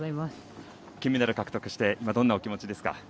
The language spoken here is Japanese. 金メダル、獲得して今、どんなお気持ちですか？